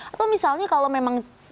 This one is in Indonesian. atau misalnya kalau memang